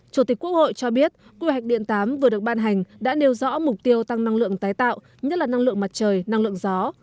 chủ tịch quốc hội cho biết quy hoạch điện tám vừa được ban hành đã nêu rõ mục tiêu tăng năng lượng tái tạo nhất là năng lượng mặt trời năng lượng gió